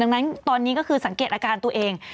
ดังนั้นตอนนี้ก็คือสังเกตอาการตัวเอง